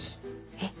えっ。